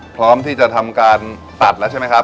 พร้อมที่จะทำการตัดแล้วใช่ไหมครับ